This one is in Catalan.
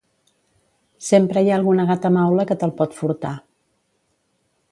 Sempre hi ha alguna gata maula que te’l pot furtar.